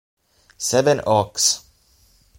Seven Oaks